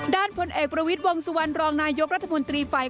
ด้านพลเอกประวิติวงศ์สวรรค์รองนายยกรัฐมนตรีไฟ